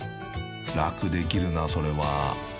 ［楽できるなそれは］